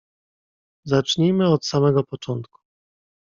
"Zacznijmy od samego początku."